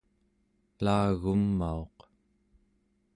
laagumauq